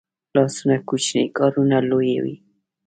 لاسونه کوچني کارونه لویوي